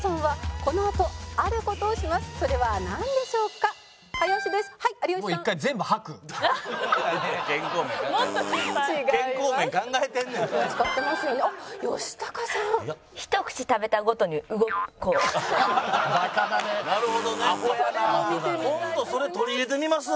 今度それ取り入れてみます。